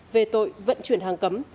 về tội vận chuyển hàng cấm